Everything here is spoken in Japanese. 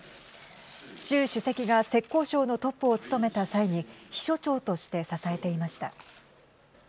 習主席が浙江省のトップを務めた際に秘書長として支えていました。